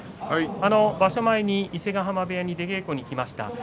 場所前に伊勢ヶ濱部屋に出稽古に行きしたね。